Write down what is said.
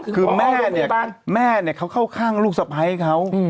คือแม่เขาเข้าข้างลูกศพให้เขา